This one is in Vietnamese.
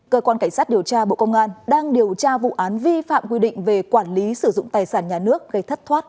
cơ quan cảnh sát điều tra bộ công an đang điều tra vụ án vi phạm quy định về quản lý sử dụng tài sản nhà nước gây thất thoát